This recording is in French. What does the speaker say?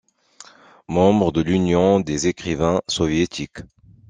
Membre de l'Union des écrivains soviétiques.